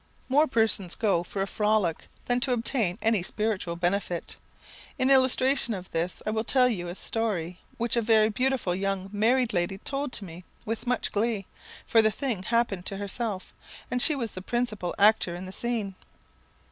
More persons go for a frolic than to obtain any spiritual benefit. In illustration of this, I will tell you a story which a very beautiful young married lady told to me with much glee, for the thing happened to herself, and she was the principal actor in the scene.